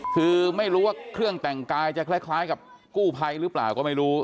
คือไม่รู้ว่าเครื่องแต่งกายจะคล้ายกับกู้ภัยหรือเปล่าก็ไม่รู้